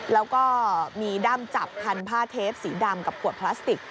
แล้วก็มีด้ำจับพันผ้าเทปสีดำกับขวดพลาสติก